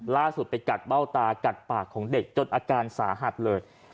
ล่าสุดไปกัดเบ้าตากัดปากของเด็กจนอาการสาหัสเลย